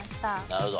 なるほど。